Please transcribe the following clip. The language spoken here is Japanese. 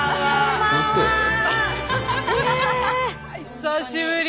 久しぶり！